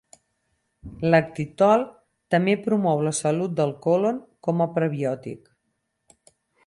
Lactitol també promou la salut del còlon com a prebiòtic.